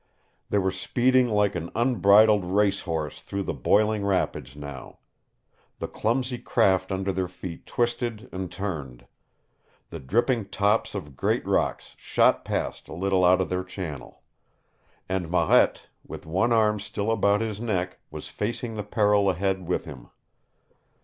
They were speeding like an unbridled race horse through the boiling rapids now. The clumsy craft under their feet twisted and turned. The dripping tops of great rocks shot past a little out of their channel. And Marette, with one arm still about his neck, was facing the peril ahead with him.